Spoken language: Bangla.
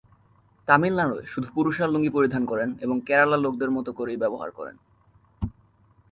তামিলনাডুয় শুধু পুরুষেরা লুঙ্গি পরিধান করেন এবং কেরালার লোকদের মত করেই ব্যবহার করেন।